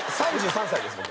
３３歳です僕。